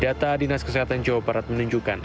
data dinas kesehatan jawa barat menunjukkan